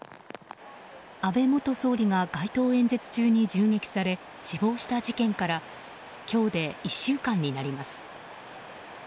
安倍元総理が街頭演説中に銃撃され死亡した事件から今日で１週間になります。